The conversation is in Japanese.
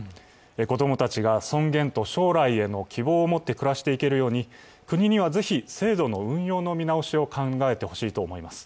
子供たちが尊厳と将来への希望を持って暮らしていけるように、国にはぜひ制度の運用の見直しを考えてほしいと思います。